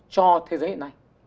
cho thế giới hiện nay